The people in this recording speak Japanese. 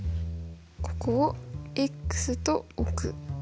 ここをと置く。